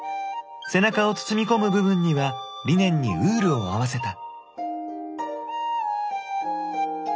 背中を包み込む部分にはリネンにウールを合わせた。